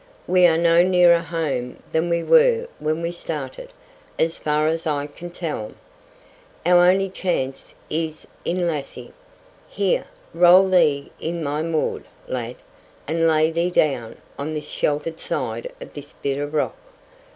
"We are no nearer home than we were when we started, as far as I can tell. Our only chance is in Lassie. Here! roll thee in my maud, lad, and lay thee down on this sheltered side of this bit of rock.